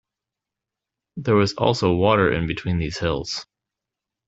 There was also water in between these hills.